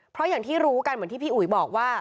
เพราะอย่างที่รู้กันเหมือนที่พี่อุ๋ยบอกว่า